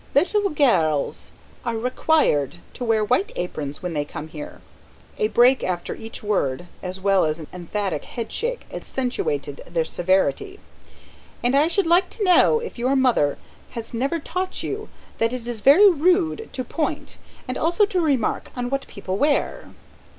"Little gels are required to wear white aprons when they come here!" a break after each few words, as well as an emphatic head shake, accentuated their severity. "And I should like to know, if your mother, has never taught you, that it is very rude, to point, and also to remark, on what people wear."